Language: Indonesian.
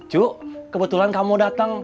cuk kebetulan kamu datang